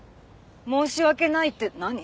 申し訳ないって何？